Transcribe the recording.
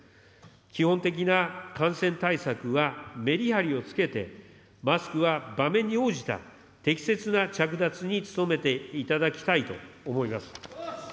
基本的な感染対策はメリハリをつけて、マスクは場面に応じた適切な着脱に努めていただきたいと思います。